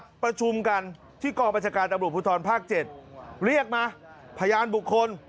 คุณผู้ชมกันที่กรปัจจักรตำรวจผู้ทรภาค๗เรียกมาพยานบุคคล